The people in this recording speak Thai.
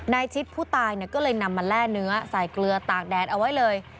ชิดผู้ตายก็เลยนำมาแร่เนื้อใส่เกลือตากแดดเอาไว้เลย